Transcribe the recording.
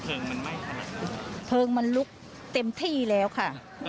เพลิงมันไม่ขนาดนั้นเพลิงมันลุกเต็มที่แล้วค่ะ